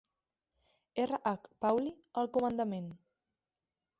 R. H. Pauli al comandament.